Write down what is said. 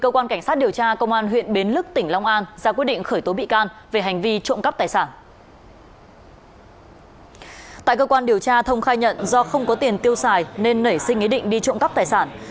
qua xác minh chưa cùng ngày